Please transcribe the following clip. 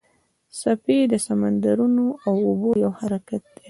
څپې د سمندرونو د اوبو یو حرکت دی.